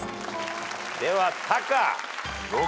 ではタカ。